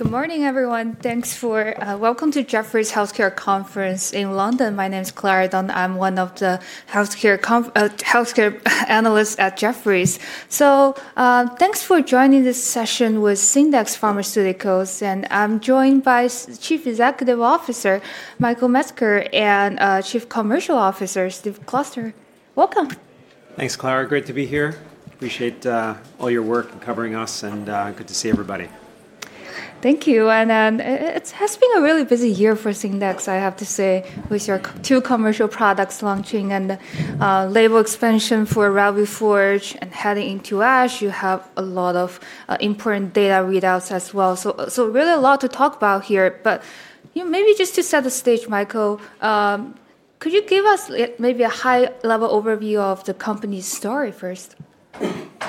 Good morning, everyone. Thanks for, welcome to Jefferies Healthcare Conference in London. My name is Clara Dunn. I'm one of the healthcare analysts at Jefferies. Thanks for joining this session with Syndax Pharmaceuticals. I'm joined by Chief Executive Officer Michael Metzger and Chief Commercial Officer Steve Kloster. Welcome. Thanks, Clara. Great to be here. Appreciate all your work and covering us, and good to see everybody. Thank you. It has been a really busy year for Syndax, I have to say, with your two commercial products launching and label expansion for Revuforj, and heading into ASH. You have a lot of important data readouts as well. Really a lot to talk about here. You know, maybe just to set the stage, Michael, could you give us maybe a high-level overview of the company's story first?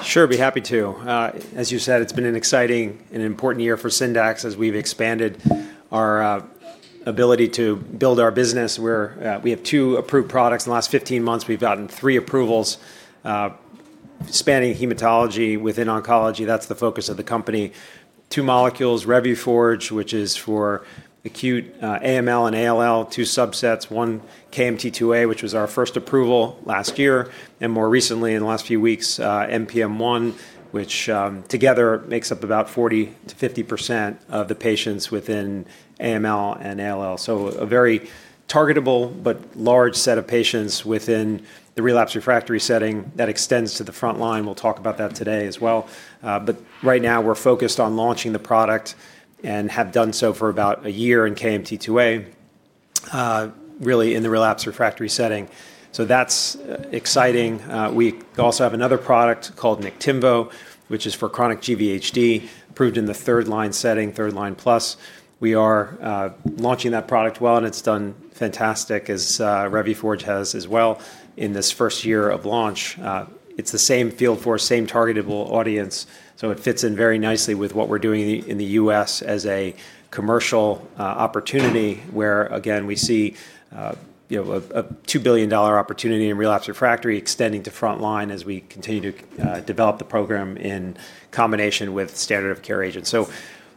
Sure. Be happy to. As you said, it's been an exciting and important year for Syndax as we've expanded our ability to build our business. We have two approved products in the last 15 months. We've gotten three approvals, spanning hematology within oncology. That's the focus of the company. Two molecules, Revuforj, which is for acute AML and ALL, two subsets. One, KMT2A, which was our first approval last year. And more recently, in the last few weeks, NPM1, which together makes up about 40-50% of the patients within AML and ALL. A very targetable but large set of patients within the relapsed refractory setting that extends to the front line. We'll talk about that today as well. Right now we're focused on launching the product and have done so for about a year in KMT2A, really in the relapsed refractory setting. That's exciting. We also have another product called Niktimvo, which is for chronic GVHD, approved in the third-line setting, third-line plus. We are launching that product well, and it's done fantastic, as Revuforj has as well in this first year of launch. It's the same field force, same targetable audience. It fits in very nicely with what we're doing in the U.S. as a commercial opportunity where, again, we see, you know, a $2 billion opportunity in relapse refractory extending to front line as we continue to develop the program in combination with standard of care agents.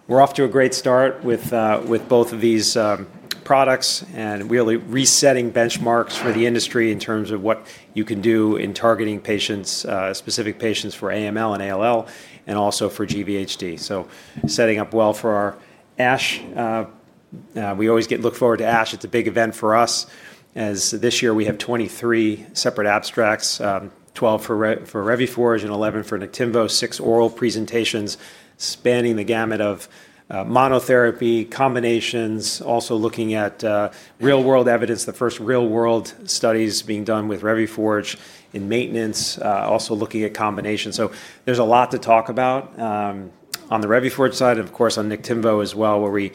We're off to a great start with both of these products and really resetting benchmarks for the industry in terms of what you can do in targeting patients, specific patients for AML and ALL and also for GVHD. Setting up well for our ASH. We always look forward to ASH. It's a big event for us as this year we have 23 separate abstracts, 12 for Revuforj and 11 for Niktimvo, six oral presentations spanning the gamut of monotherapy, combinations, also looking at real-world evidence, the first real-world studies being done with Revuforj in maintenance, also looking at combinations. There's a lot to talk about on the Revuforj side and, of course, on Niktimvo as well, where we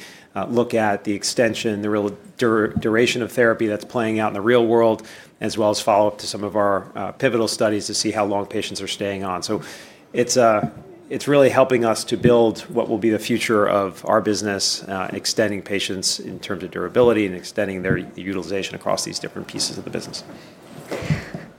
look at the extension, the real duration of therapy that's playing out in the real world, as well as follow-up to some of our pivotal studies to see how long patients are staying on. It's really helping us to build what will be the future of our business, extending patients in terms of durability and extending their utilization across these different pieces of the business.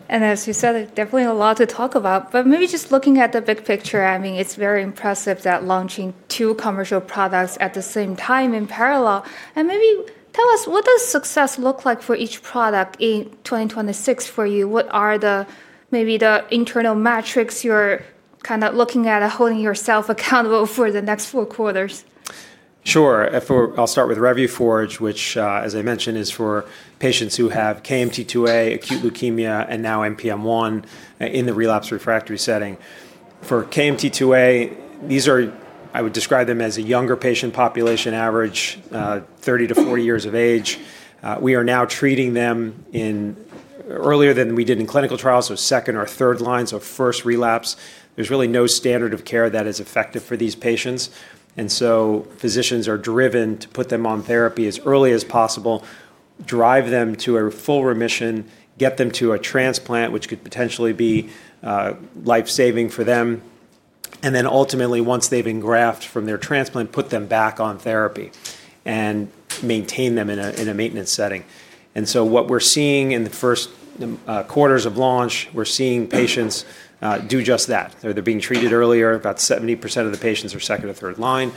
As you said, there's definitely a lot to talk about. Maybe just looking at the big picture, I mean, it's very impressive that launching two commercial products at the same time in parallel. Maybe tell us, what does success look like for each product in 2026 for you? What are the, maybe the internal metrics you're kind of looking at and holding yourself accountable for the next four quarters? Sure. If we're, I'll start with Revuforj, which, as I mentioned, is for patients who have KMT2A, acute leukemia, and now NPM1 in the relapse refractory setting. For KMT2A, these are, I would describe them as a younger patient population, average, 30 to 40 years of age. We are now treating them in earlier than we did in clinical trials, so second or third line, so first relapse. There's really no standard of care that is effective for these patients. Physicians are driven to put them on therapy as early as possible, drive them to a full remission, get them to a transplant, which could potentially be lifesaving for them. Ultimately, once they've been graft from their transplant, put them back on therapy and maintain them in a maintenance setting. What we're seeing in the first quarters of launch, we're seeing patients do just that. They're being treated earlier. About 70% of the patients are second or third line.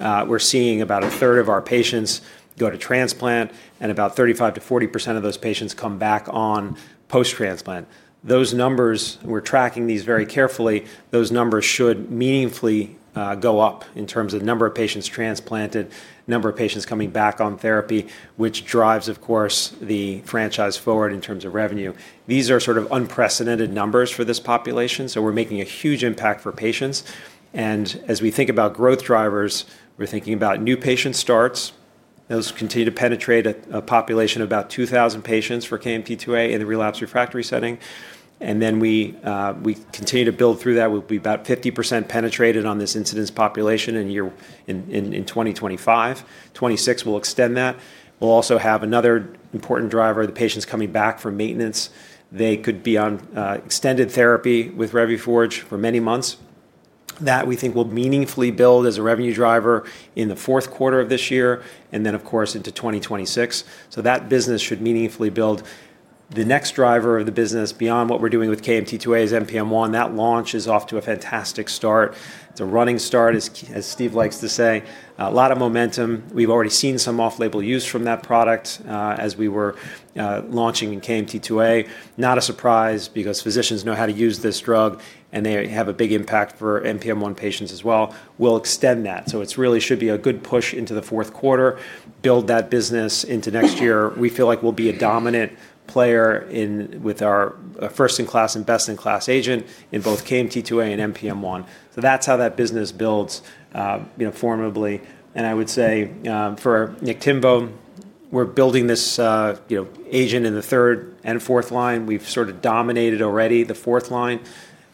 We're seeing about a third of our patients go to transplant, and about 35-40% of those patients come back on post-transplant. Those numbers, we're tracking these very carefully. Those numbers should meaningfully go up in terms of number of patients transplanted, number of patients coming back on therapy, which drives, of course, the franchise forward in terms of revenue. These are sort of unprecedented numbers for this population. We're making a huge impact for patients. As we think about growth drivers, we're thinking about new patient starts. Those continue to penetrate a population of about 2,000 patients for KMT2A in the relapse refractory setting. We continue to build through that. We'll be about 50% penetrated on this incidence population in 2025. Twenty twenty-six will extend that. We'll also have another important driver. The patients coming back from maintenance, they could be on extended therapy with Revuforj for many months. That we think will meaningfully build as a revenue driver in the fourth quarter of this year and then, of course, into 2026. That business should meaningfully build. The next driver of the business beyond what we're doing with KMT2A's NPM1. That launch is off to a fantastic start. It's a running start, as Steve likes to say. A lot of momentum. We've already seen some off-label use from that product, as we were launching in KMT2A. Not a surprise because physicians know how to use this drug, and they have a big impact for NPM1 patients as well. We'll extend that. It really should be a good push into the fourth quarter, build that business into next year. We feel like we'll be a dominant player in, with our, first-in-class and best-in-class agent in both KMT2A and NPM1. That's how that business builds, you know, formably. I would say, for Niktimvo, we're building this, you know, agent in the third and fourth line. We've sort of dominated already the fourth line.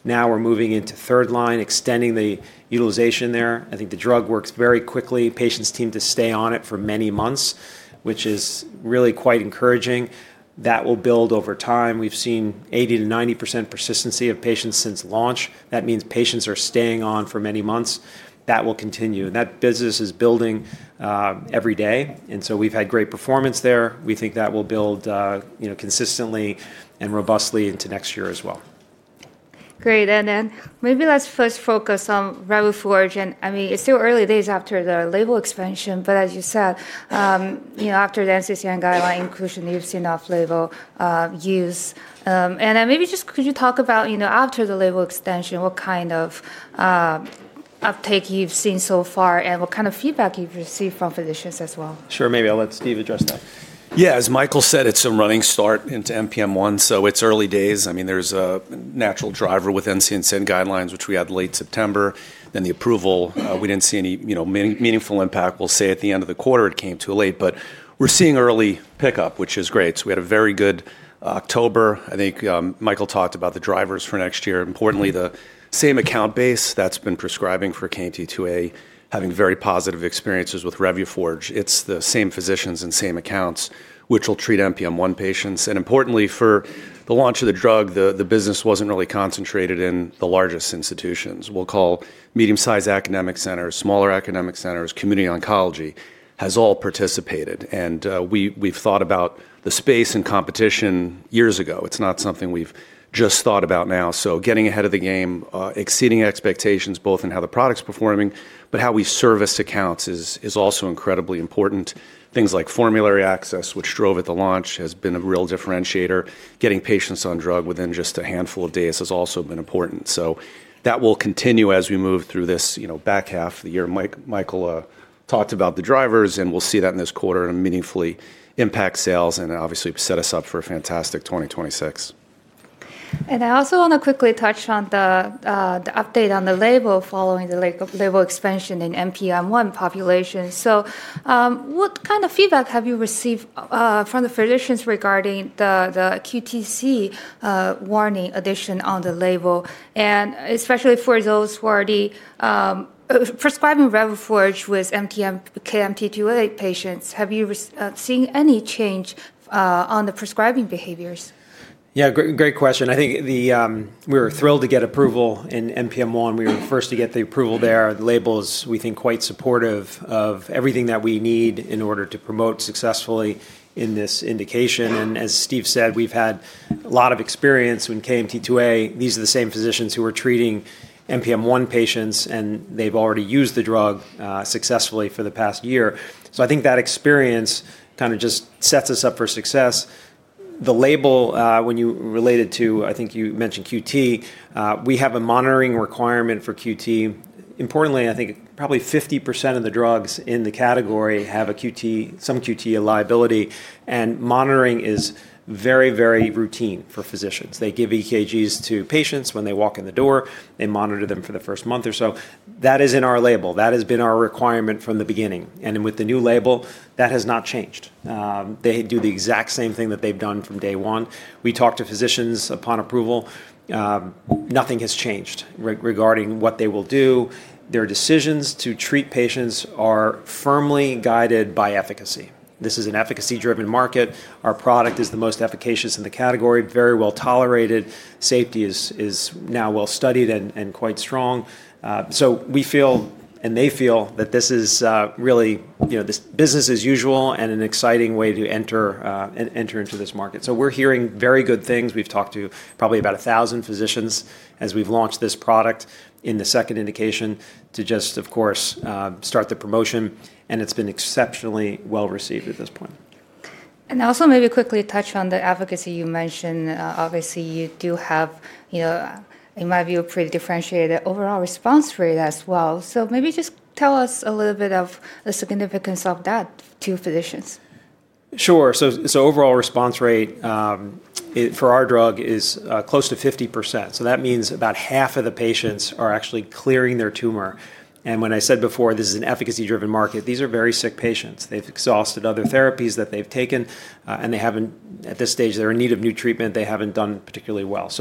Now we're moving into third line, extending the utilization there. I think the drug works very quickly. Patients seem to stay on it for many months, which is really quite encouraging. That will build over time. We've seen 80-90% persistency of patients since launch. That means patients are staying on for many months. That will continue. That business is building, every day. We have had great performance there. We think that will build, you know, consistently and robustly into next year as well. Great. Maybe let's first focus on Revuforj. I mean, it's still early days after the label expansion. As you said, you know, after the NCCN guideline inclusion, you've seen off-label use. Maybe just could you talk about, you know, after the label extension, what kind of uptake you've seen so far and what kind of feedback you've received from physicians as well? Sure. Maybe I'll let Steve address that. Yeah. As Michael said, it's a running start into NPM1. It's early days. I mean, there's a natural driver with NCCN guidelines, which we had late September. The approval, we didn't see any, you know, meaningful impact. We'll say at the end of the quarter it came too late. We're seeing early pickup, which is great. We had a very good October. I think Michael talked about the drivers for next year. Importantly, the same account base that's been prescribing for KMT2A, having very positive experiences with Revuforj. It's the same physicians and same accounts, which will treat NPM1 patients. Importantly, for the launch of the drug, the business wasn't really concentrated in the largest institutions. We'll call medium-sized academic centers, smaller academic centers, community oncology has all participated. We thought about the space and competition years ago. It's not something we've just thought about now. Getting ahead of the game, exceeding expectations both in how the product's performing, but how we service accounts is also incredibly important. Things like formulary access, which drove at the launch, has been a real differentiator. Getting patients on drug within just a handful of days has also been important. That will continue as we move through this, you know, back half of the year. Mike, Michael, talked about the drivers, and we'll see that in this quarter and meaningfully impact sales and obviously set us up for a fantastic 2026. I also want to quickly touch on the update on the label following the label expansion in NPM1 population. What kind of feedback have you received from the physicians regarding the QTC warning addition on the label? Especially for those who are already prescribing Revuforj with KMT2A patients, have you seen any change on the prescribing behaviors? Yeah. Great, great question. I think we were thrilled to get approval in NPM1. We were first to get the approval there. The label is, we think, quite supportive of everything that we need in order to promote successfully in this indication. As Steve said, we've had a lot of experience with KMT2A. These are the same physicians who are treating NPM1 patients, and they've already used the drug successfully for the past year. I think that experience kind of just sets us up for success. The label, when you related to, I think you mentioned QT, we have a monitoring requirement for QT. Importantly, I think probably 50% of the drugs in the category have a QT, some QT liability. Monitoring is very, very routine for physicians. They give EKGs to patients when they walk in the door. They monitor them for the first month or so. That is in our label. That has been our requirement from the beginning. With the new label, that has not changed. They do the exact same thing that they've done from day one. We talk to physicians upon approval. Nothing has changed regarding what they will do. Their decisions to treat patients are firmly guided by efficacy. This is an efficacy-driven market. Our product is the most efficacious in the category, very well tolerated. Safety is now well studied and quite strong. We feel, and they feel, that this is really, you know, business as usual and an exciting way to enter into this market. We are hearing very good things. We've talked to probably about a thousand physicians as we've launched this product in the second indication to just, of course, start the promotion. It has been exceptionally well received at this point. Also maybe quickly touch on the advocacy you mentioned. Obviously you do have, you know, in my view, a pretty differentiated overall response rate as well. Maybe just tell us a little bit of the significance of that to physicians. Sure. Overall response rate, for our drug is, close to 50%. That means about half of the patients are actually clearing their tumor. When I said before, this is an efficacy-driven market, these are very sick patients. They've exhausted other therapies that they've taken, and they haven't, at this stage, they're in need of new treatment. They haven't done particularly well.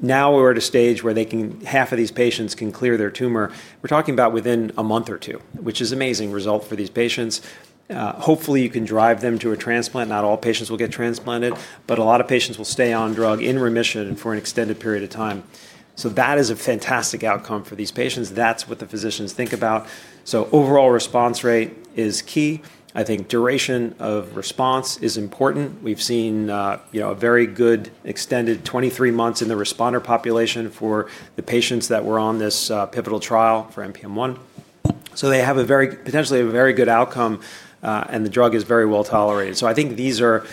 Now we're at a stage where they can, half of these patients can clear their tumor. We're talking about within a month or two, which is an amazing result for these patients. Hopefully you can drive them to a transplant. Not all patients will get transplanted, but a lot of patients will stay on drug in remission for an extended period of time. That is a fantastic outcome for these patients. That's what the physicians think about. Overall response rate is key. I think duration of response is important. We've seen, you know, a very good extended 23 months in the responder population for the patients that were on this pivotal trial for NPM1. They have a very, potentially a very good outcome, and the drug is very well tolerated. I think these are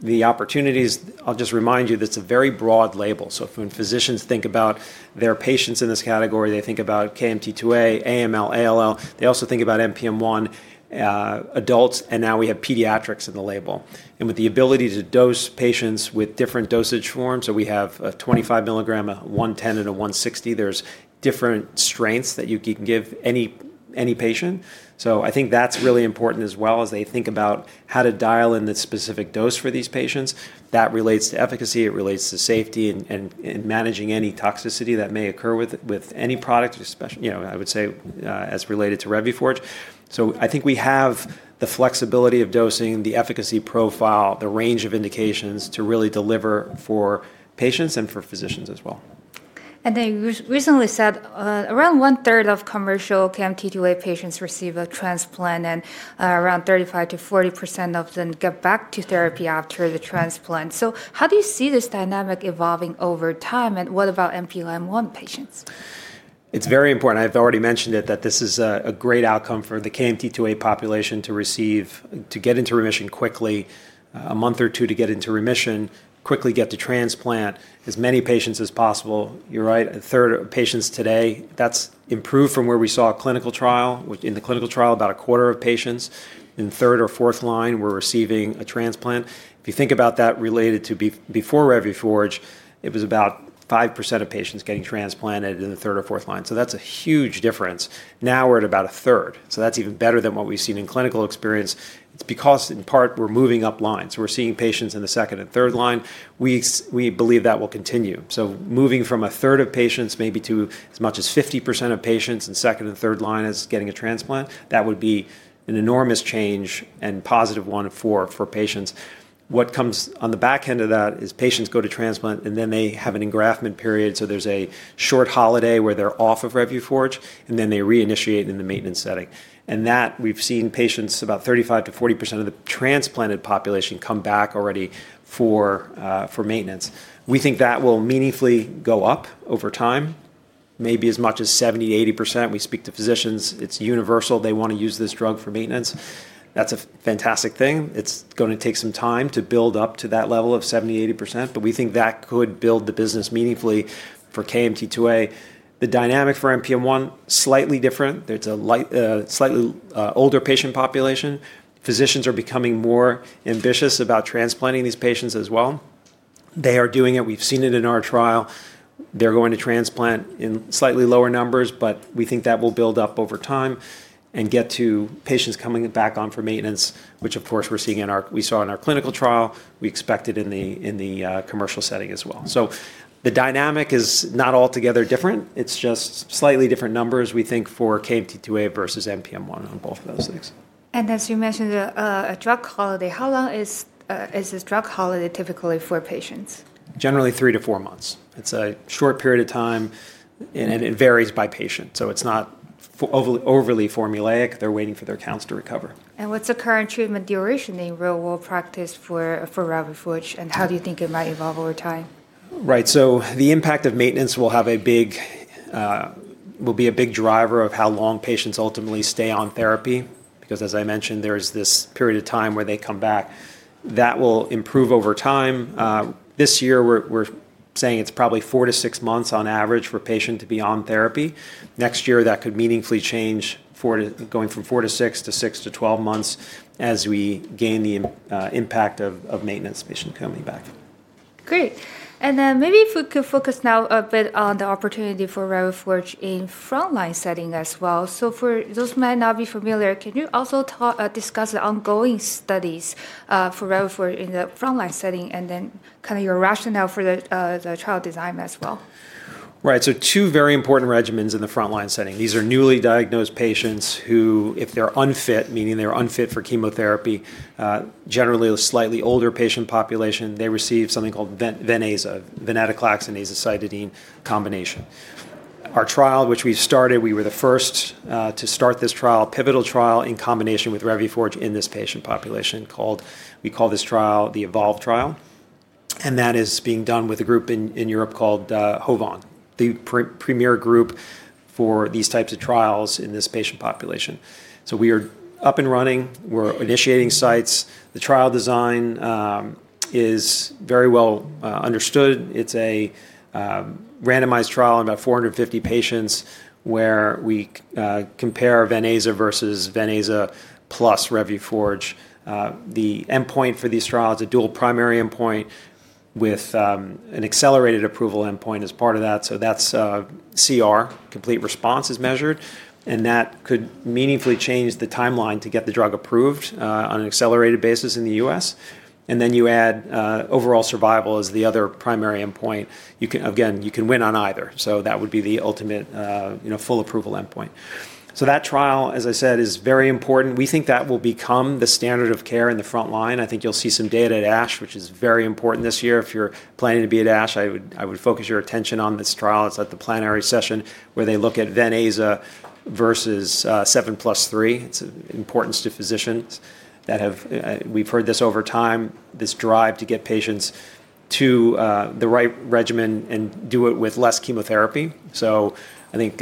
the opportunities. I'll just remind you that it's a very broad label. When physicians think about their patients in this category, they think about KMT2A, AML, ALL. They also think about NPM1, adults, and now we have pediatrics in the label. With the ability to dose patients with different dosage forms, we have a 25 milligram, a 110, and a 160. There are different strengths that you can give any patient. I think that's really important as they think about how to dial in the specific dose for these patients. That relates to efficacy. It relates to safety and managing any toxicity that may occur with any product, especially, you know, I would say, as related to Revuforj. I think we have the flexibility of dosing, the efficacy profile, the range of indications to really deliver for patients and for physicians as well. You recently said, around one third of commercial KMT2A patients receive a transplant, and around 35-40% of them get back to therapy after the transplant. How do you see this dynamic evolving over time? What about NPM1 patients? It's very important. I've already mentioned it, that this is a great outcome for the KMT2A population to receive, to get into remission quickly, a month or two to get into remission, quickly get to transplant as many patients as possible. You're right. A third of patients today, that's improved from where we saw a clinical trial, which in the clinical trial, about a quarter of patients in third or fourth line were receiving a transplant. If you think about that related to before Revuforj, it was about 5% of patients getting transplanted in the third or fourth line. That's a huge difference. Now we're at about a third. That's even better than what we've seen in clinical experience. It's because in part we're moving up line. We're seeing patients in the second and third line. We believe that will continue. Moving from a third of patients, maybe to as much as 50% of patients in second and third line as getting a transplant, that would be an enormous change and positive one for patients. What comes on the back end of that is patients go to transplant and then they have an engraftment period. There is a short holiday where they're off of Revuforj, and then they reinitiate in the maintenance setting. We have seen patients, about 35-40% of the transplanted population, come back already for maintenance. We think that will meaningfully go up over time, maybe as much as 70-80%. We speak to physicians. It's universal. They want to use this drug for maintenance. That's a fantastic thing. It's going to take some time to build up to that level of 70-80%. We think that could build the business meaningfully for KMT2A. The dynamic for NPM1, slightly different. It's a slightly older patient population. Physicians are becoming more ambitious about transplanting these patients as well. They are doing it. We've seen it in our trial. They're going to transplant in slightly lower numbers, but we think that will build up over time and get to patients coming back on for maintenance, which of course we're seeing in our, we saw in our clinical trial. We expect it in the commercial setting as well. The dynamic is not altogether different. It's just slightly different numbers, we think, for KMT2A versus NPM1 on both of those things. As you mentioned, a drug holiday, how long is this drug holiday typically for patients? Generally three to four months. It's a short period of time, and it varies by patient. It's not overly formulaic. They're waiting for their counts to recover. What's the current treatment duration in real-world practice for, for Revuforj? How do you think it might evolve over time? Right. The impact of maintenance will have a big, will be a big driver of how long patients ultimately stay on therapy. Because as I mentioned, there's this period of time where they come back. That will improve over time. This year we're saying it's probably four to six months on average for a patient to be on therapy. Next year that could meaningfully change, going from four to six to six to twelve months as we gain the impact of maintenance, patient coming back. Great. Maybe if we could focus now a bit on the opportunity for Revuforj in frontline setting as well. For those who might not be familiar, can you also talk, discuss the ongoing studies for Revuforj in the frontline setting and then kind of your rationale for the trial design as well? Right. Two very important regimens in the frontline setting. These are newly diagnosed patients who, if they're unfit, meaning they're unfit for chemotherapy, generally a slightly older patient population, they receive something called Venaza, Venetoclax and Azacitidine combination. Our trial, which we've started, we were the first to start this trial, pivotal trial in combination with Revuforj in this patient population called, we call this trial the Evolve trial. That is being done with a group in Europe called HOVON, the premier group for these types of trials in this patient population. We are up and running. We're initiating sites. The trial design is very well understood. It's a randomized trial in about 450 patients where we compare Venaza versus Venaza plus Revuforj. The endpoint for these trials, a dual primary endpoint with an accelerated approval endpoint as part of that. That's, CR, complete response is measured. That could meaningfully change the timeline to get the drug approved, on an accelerated basis in the U.S. You add overall survival as the other primary endpoint. You can, again, you can win on either. That would be the ultimate, you know, full approval endpoint. That trial, as I said, is very important. We think that will become the standard of care in the frontline. I think you'll see some data at ASH, which is very important this year. If you're planning to be at ASH, I would, I would focus your attention on this trial. It's at the plenary session where they look at venetoclax/azacitidine versus 7+3. It's important to physicians that have, we've heard this over time, this drive to get patients to the right regimen and do it with less chemotherapy. I think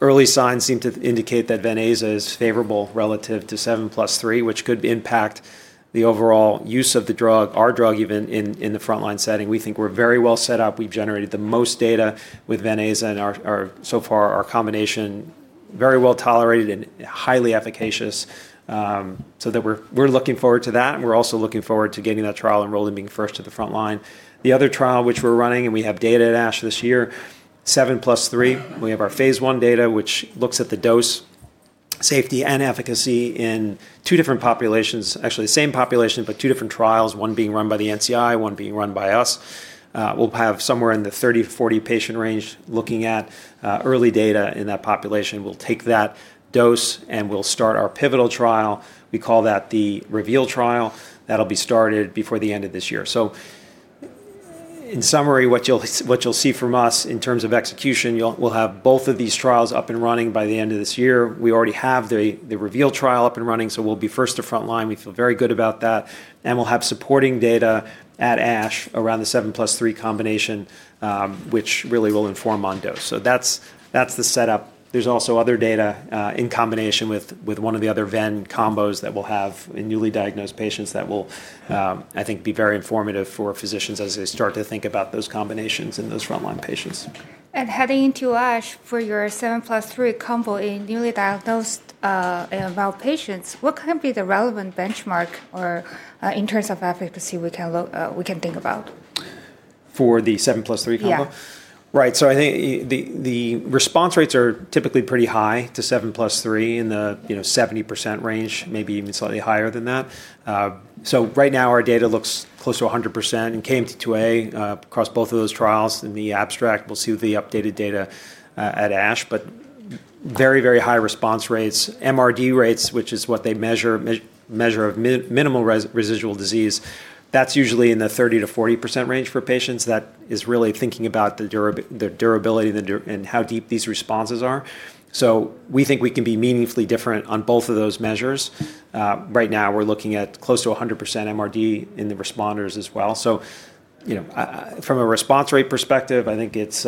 early signs seem to indicate that Venaza is favorable relative to 7+3, which could impact the overall use of the drug, our drug, even in the frontline setting. We think we're very well set up. We've generated the most data with Venaza and our, so far our combination, very well tolerated and highly efficacious, so that we're looking forward to that. We're also looking forward to getting that trial enrolled and being first to the frontline. The other trial which we're running, and we have data at ASH this year, 7+3. We have our phase one data, which looks at the dose safety and efficacy in two different populations, actually the same population, but two different trials, one being run by the NCI, one being run by us. We'll have somewhere in the 30-40 patient range looking at early data in that population. We'll take that dose and we'll start our pivotal trial. We call that the Reveal trial. That'll be started before the end of this year. In summary, what you'll see from us in terms of execution, we'll have both of these trials up and running by the end of this year. We already have the Reveal trial up and running. We'll be first to frontline. We feel very good about that. We'll have supporting data at ASH around the 7+3 combination, which really will inform on dose. That's the setup. There's also other data, in combination with one of the other ven combos that we'll have in newly diagnosed patients that will, I think, be very informative for physicians as they start to think about those combinations in those frontline patients. Heading into ASH for your 7+3 combo in newly diagnosed and Evolve patients, what can be the relevant benchmark or, in terms of efficacy, we can look, we can think about? For the 7+3 combo? Yeah. Right. I think the response rates are typically pretty high to 7+3 in the, you know, 70% range, maybe even slightly higher than that. Right now our data looks close to 100% in KMT2A, across both of those trials in the abstract. We'll see the updated data at ASH, but very, very high response rates. MRD rates, which is what they measure, measure of minimal residual disease, that's usually in the 30-40% range for patients. That is really thinking about the durability and how deep these responses are. We think we can be meaningfully different on both of those measures. Right now we're looking at close to 100% MRD in the responders as well. You know, from a response rate perspective, I think it's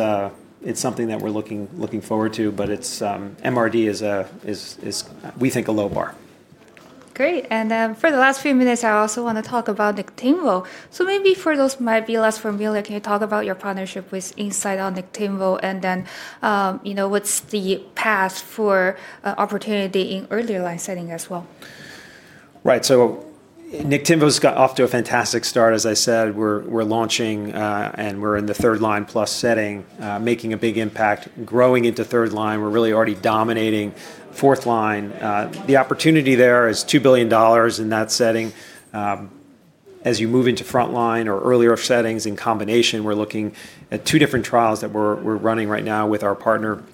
something that we're looking forward to, but MRD is, we think, a low bar. Great. For the last few minutes, I also want to talk about Niktimvo. Maybe for those who might be less familiar, can you talk about your partnership with Incyte on Niktimvo and then, you know, what is the path for opportunity in earlier line setting as well? Right. Niktimvo's got off to a fantastic start. As I said, we're launching, and we're in the third line plus setting, making a big impact, growing into third line. We're really already dominating fourth line. The opportunity there is $2 billion in that setting. As you move into frontline or earlier settings in combination, we're looking at two different trials that we're running right now with our partner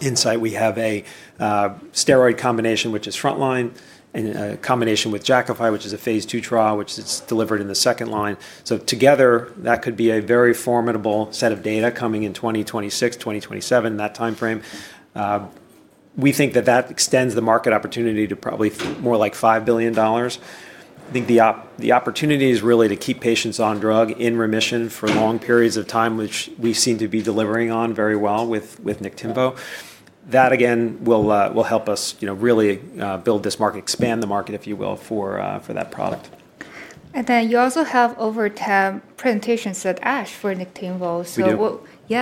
Incyte. We have a steroid combination, which is frontline, and a combination with Jakafi, which is a phase 2 trial, which is delivered in the second line. Together, that could be a very formidable set of data coming in 2026-2027, that timeframe. We think that that extends the market opportunity to probably more like $5 billion. I think the opportunity is really to keep patients on drug in remission for long periods of time, which we seem to be delivering on very well with Niktimvo. That again will help us, you know, really build this market, expand the market, if you will, for that product. You also have over 10 presentations at ASH for Niktimvo. We do. What are, you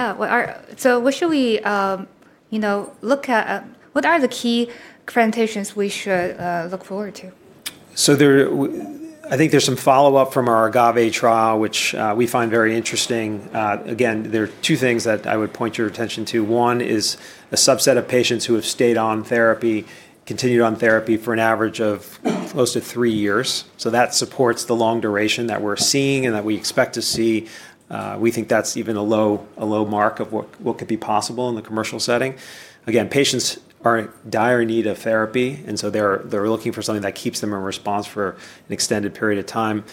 know, what are the key presentations we should look forward to? I think there's some follow-up from our Agave trial, which we find very interesting. Again, there are two things that I would point your attention to. One is a subset of patients who have stayed on therapy, continued on therapy for an average of close to three years. That supports the long duration that we're seeing and that we expect to see. We think that's even a low, a low mark of what could be possible in the commercial setting. Patients are in dire need of therapy, and so they're looking for something that keeps them in response for an extended period of time.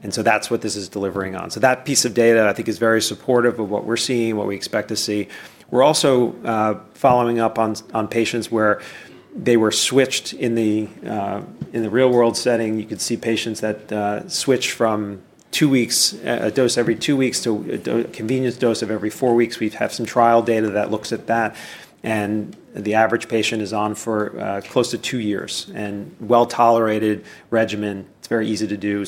That is what this is delivering on. That piece of data I think is very supportive of what we're seeing, what we expect to see. We're also following up on patients where they were switched in the real world setting. You could see patients that switch from two weeks, a dose every two weeks, to a convenience dose of every four weeks. We have some trial data that looks at that. The average patient is on for close to two years and well tolerated regimen. It's very easy to do.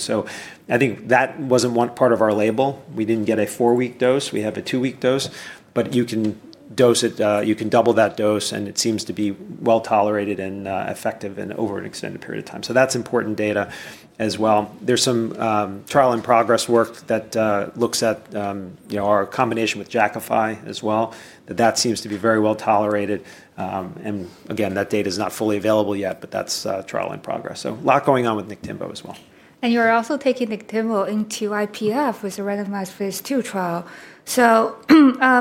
I think that wasn't one part of our label. We didn't get a four-week dose. We have a two-week dose, but you can dose it, you can double that dose. It seems to be well tolerated and effective and over an extended period of time. That's important data as well. There's some trial and progress work that looks at, you know, our combination with Jakafi as well, that seems to be very well tolerated. Again, that data is not fully available yet, but that's trial in progress. A lot going on with Niktimvo as well. You are also taking Niktimvo into IPF with a randomized phase two trial.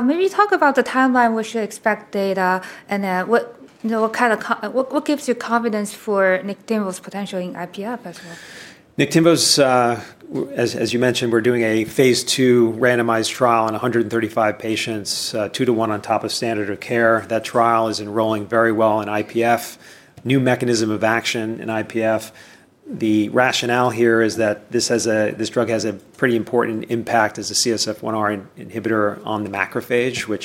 Maybe talk about the timeline which you expect data and, what, you know, what kind of, what gives you confidence for Niktimvo's potential in IPF as well? Niktimvo's, as you mentioned, we're doing a phase 2 randomized trial on 135 patients, two to one on top of standard of care. That trial is enrolling very well in IPF, new mechanism of action in IPF. The rationale here is that this drug has a pretty important impact as a CSF1R inhibitor on the macrophage, which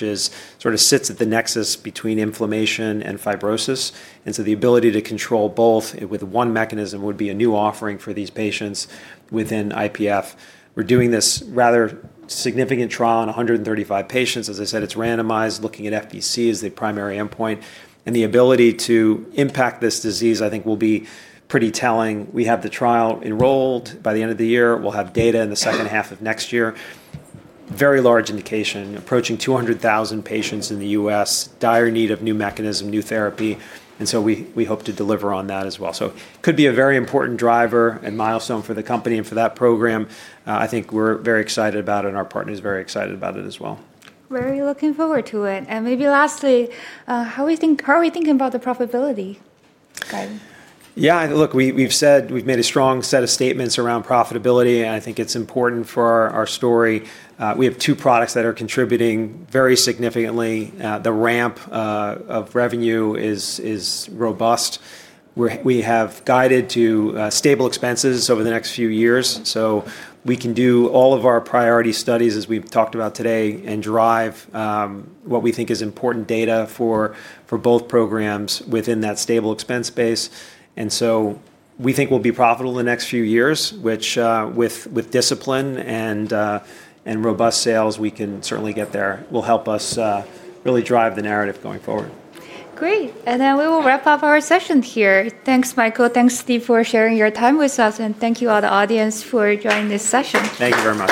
sort of sits at the nexus between inflammation and fibrosis. The ability to control both with one mechanism would be a new offering for these patients within IPF. We're doing this rather significant trial on 135 patients. As I said, it's randomized, looking at FVC as the primary endpoint. The ability to impact this disease, I think, will be pretty telling. We have the trial enrolled by the end of the year. We'll have data in the second half of next year. Very large indication, approaching 200,000 patients in the US, dire need of new mechanism, new therapy. We hope to deliver on that as well. It could be a very important driver and milestone for the company and for that program. I think we're very excited about it and our partner's very excited about it as well. Very looking forward to it. Maybe lastly, how are we thinking about the profitability guide? Yeah. Look, we've said, we've made a strong set of statements around profitability. I think it's important for our story. We have two products that are contributing very significantly. The ramp of revenue is robust. We have guided to stable expenses over the next few years. We can do all of our priority studies, as we've talked about today, and drive what we think is important data for both programs within that stable expense base. We think we'll be profitable in the next few years, which, with discipline and robust sales, we can certainly get there. It will help us really drive the narrative going forward. Great. We will wrap up our session here. Thanks, Michael. Thanks, Steve, for sharing your time with us. Thank you to the audience for joining this session. Thank you very much.